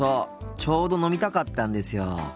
ちょうど飲みたかったんですよ。